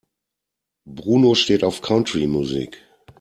Bruno steht auf Country-Musik.